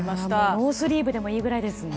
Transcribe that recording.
ノースリーブでもいいぐらいですね。